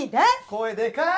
声でか！